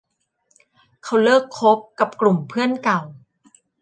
เค้าเลิกคบกับกลุ่มเพื่อนเก่า